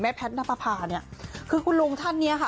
แพทย์นับประพาเนี่ยคือคุณลุงท่านเนี้ยค่ะ